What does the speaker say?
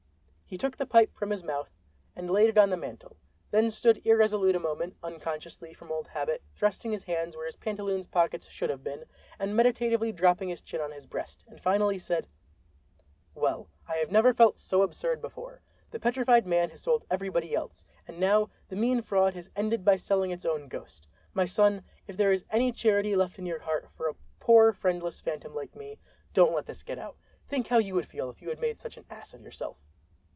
He took the pipe from his mouth and laid it on the mantel, then stood irresolute a moment (unconsciously, from old habit, thrusting his hands where his pantaloons pockets should have been, and meditatively dropping his chin on his breast) and finally said: "Well—I never felt so absurd before. The Petrified Man has sold everybody else, and now the mean fraud has ended by selling its own ghost! My son, if there is any charity left in your heart for a poor friendless phantom like me, don't let this get out. Think how you would feel if you had made such an ass of yourself."